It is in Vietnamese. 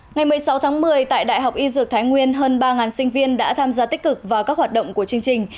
ngày một mươi sáu tháng một mươi tại đại học y dược thái nguyên hơn ba sinh viên đã tham gia tích cực vào các hoạt động của chương trình